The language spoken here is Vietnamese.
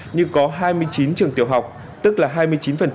nhưng có hai mươi chín trường tiểu học tức là hai mươi chín chưa thể tiến học